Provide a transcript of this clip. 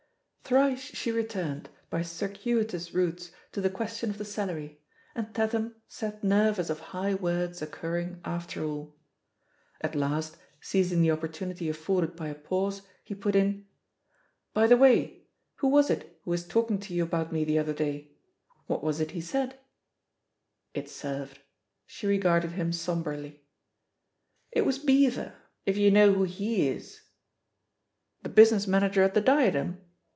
Thrice she returned, by circuitous routes, to the question of the salary, and Tatham sat nervous of high words occurring after all. At last, seizing the opportunity aflTorded by a pause, he put in : ''By the way, who was it who was talking to you about me the other day — ^what was it he 99 gCHB POSITION OF PEGGY HARPER SUM It servedL She regarded him sombrely. It was Beaver — ^if you know who he is/* "'The business manager at the Diadem?"